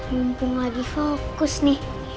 mumpung lagi fokus nih